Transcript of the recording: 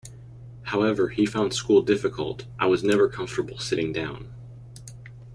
However, he found school difficult: I was never comfortable sitting down.